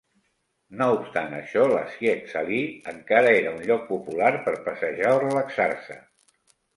No obstant això, la Siegesallee encara era un lloc popular per passejar o relaxar-se.